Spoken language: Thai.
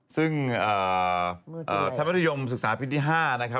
ซึ่งธาพยาบาลฯฐิยมฯศึกษาพิษที่๕นะครับ